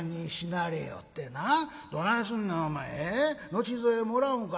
後添えもらうんか？』。